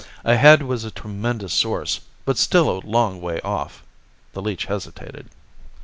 Ahead was a tremendous source, but still a long way off. The leech hesitated.